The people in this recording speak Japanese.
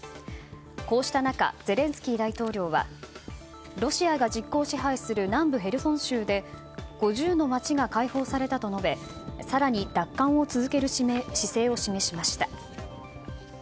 こうした中ゼレンスキー大統領はロシアが実効支配をする南部ヘルソン州で５０の町が解放されたと述べ更に奪還を続ける姿勢を示しました。